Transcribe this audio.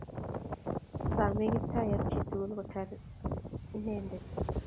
samei kiptaiyat chitukul Kotor inemdet